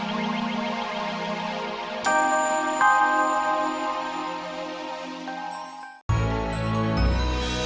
terima kasih ya mari